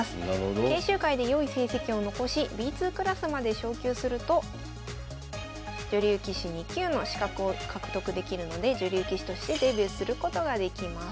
研修会で良い成績を残しＢ２クラスまで昇級すると女流棋士２級の資格を獲得できるので女流棋士としてデビューすることができます。